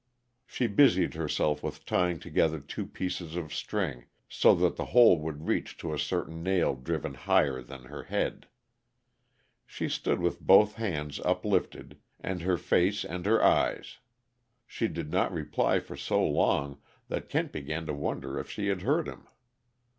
She busied herself with tying together two pieces of string, so that the whole would reach to a certain nail driven higher than her head. She stood with both hands uplifted, and her face, and her eyes; she did not reply for so long that Kent began to wonder if she had heard him.